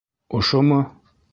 Ошомо?